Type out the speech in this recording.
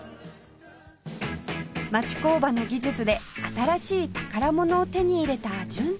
町工場の技術で新しい宝物を手に入れた純ちゃん